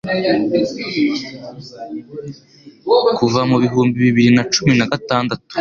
kuva mu bihumbi bibiri nacumi naga tandatu